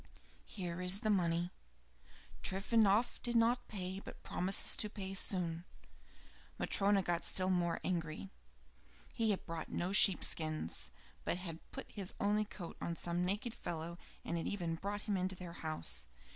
"Here is the money. Trifonof did not pay, but promises to pay soon." Matryona got still more angry; he had bought no sheep skins, but had put his only coat on some naked fellow and had even brought him to their house.